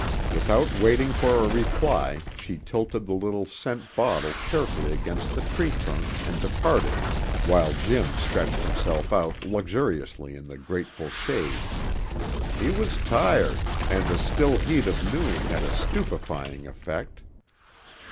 Without waiting for a reply she tilted the little scent bottle carefully against the tree trunk and departed, while Jim stretched himself out luxuriously in the grateful shade. He was tired, and the still heat of noon had a stupefying effect.